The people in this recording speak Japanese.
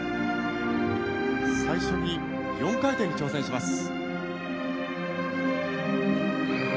最初に４回転に挑戦します。